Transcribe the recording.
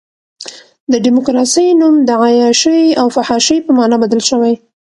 د ډیموکراسۍ نوم د عیاشۍ او فحاشۍ په معنی بدل شوی.